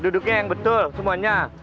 duduknya yang betul semuanya